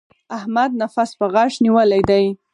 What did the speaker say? احمد نفس په غاښ نيولی دی.